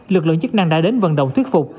lực lượng chức năng đã đến vận động thuyết phục